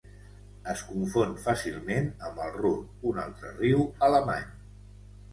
Es confon fàcilment amb el Ruhr, un altre riu alemany.